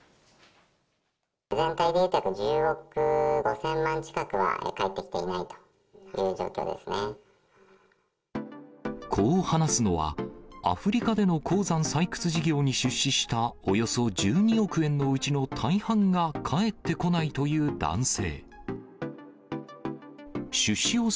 全体でいうと１０億５０００万円近くは返ってきていないといこう話すのは、アフリカでの鉱山採掘事業に出資したおよそ１２億円のうちの大半が返ってこないという男性。